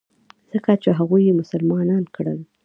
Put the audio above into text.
ځکه چې هغوى يې مسلمانان کړل.